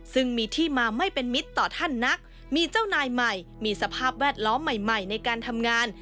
ซึ่งมีที่มาไม่เป็นมิตรต่อท่านนักมีเจ้านายใหม่มีสภาพแวดล้อมใหม่ในการทำงาน